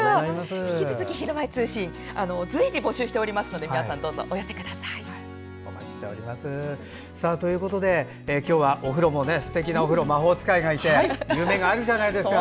引き続き「ひるまえ通信」随時募集していますのでということで今日はお風呂もすてきなお風呂魔法使いがいて夢があるじゃないですか。